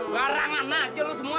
warangan aja lo semua